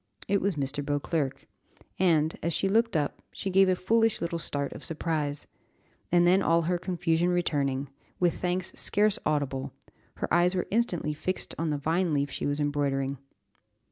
It was Mr. Beauclerc, and, as she looked up, she gave a foolish little start of surprise, and then all her confusion returning, with thanks scarce audible, her eyes were instantly fixed on the vine leaf she was embroidering.